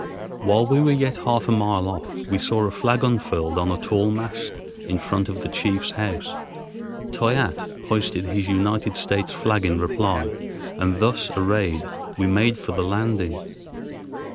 While we were yet half a mile off, we saw a flag unfurled on a tall mast in front of the chief's house. Toyatte hoisted his United States flag in reply, and thus arrayed we made for the landing.